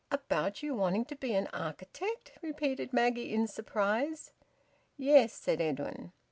"About you wanting to be an architect?" repeated Maggie in surprise. "Yes," said Edwin.